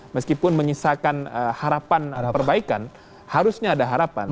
meskipun menyisakan harapan perbaikan harusnya ada harapan